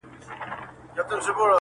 وجود مي غم ناځوانه وړی دی له ځانه سره~